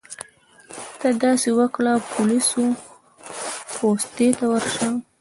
ته داسې وکړه پولیسو پوستې ته ورشه.